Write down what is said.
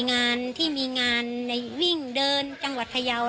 งานที่มีงานวิ่งเดินจังหวัดพยาว